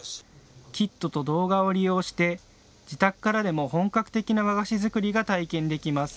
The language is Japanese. キットと動画を利用して自宅からでも本格的な和菓子作りが体験できます。